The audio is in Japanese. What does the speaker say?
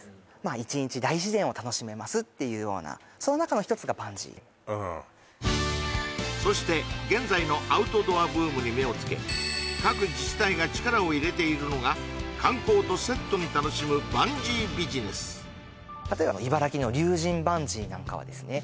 あ１日大自然を楽しめますというようなその中の１つがバンジーそして現在のアウトドアブームに目をつけ各自治体が力を入れているのが例えば茨城の竜神バンジーなんかはですね